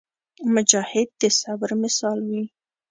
مجاهد د صبر مثال وي.